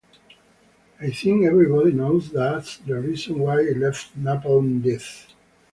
I think everybody knows that's the reason why I left Napalm Death.